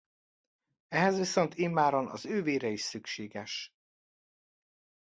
Ehhez viszont immáron az ő vére is szükséges.